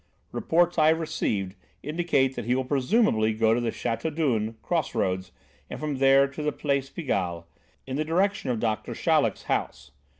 Reports I have received indicate that he will presumably go to the Chateaudun cross roads and from there to the Place Pigalle, in the direction of Doctor Chaleck's house.